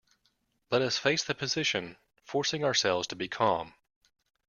Let us face the position, forcing ourselves to be calm.